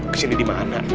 ke sini di mana